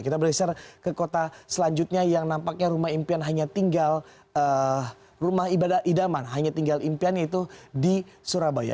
kita bergeser ke kota selanjutnya yang nampaknya rumah impian hanya tinggal rumah ibadah idaman hanya tinggal impian yaitu di surabaya